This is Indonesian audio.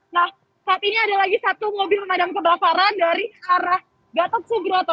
nah saat ini ada lagi satu mobil pemadam kebakaran dari arah gatot subroto